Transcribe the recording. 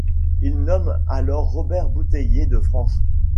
Il nomme alors Robert bouteiller de France.